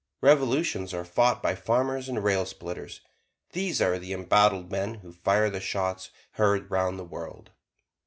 Revolutions are fought by farmers and rail splitters; these are the embattled men who fire the shots heard 'round the world.